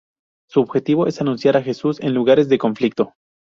Su objetivo es anunciar a Jesús en lugares de conflicto.